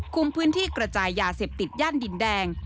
คุมพื้นที่กระจายยาเสพติดย่านดินแดง